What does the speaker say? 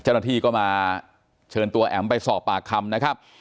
เจ้าหน้าที่ก็มาเชิญตัวแอ๋มไปสอบปากคำนะครับ